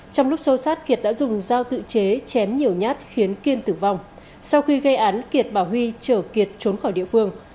trong lúc xô sát kiệt đã dùng dao tự chế chém nhiều nhát khiến kiên tử vong sau khi gây án kiệt và huy trở kiệt trốn khỏi địa phương